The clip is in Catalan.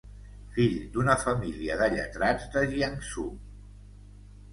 Fill d'una família de lletrats de Jiangsu.